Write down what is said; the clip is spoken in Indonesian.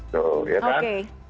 tuh ya kan